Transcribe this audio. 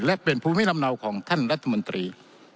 และเป็นภูมิลำเนาของท่านรัฐมนตรี